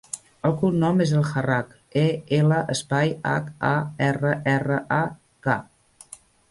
El cognom és El Harrak: e, ela, espai, hac, a, erra, erra, a, ca.